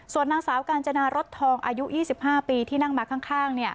ส่วนนางสาวกาญจนารถทองอายุ๒๕ปีที่นั่งมาข้าง